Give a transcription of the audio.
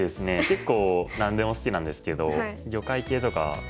結構何でも好きなんですけど魚介系とか好きです。